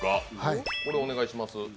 これお願いします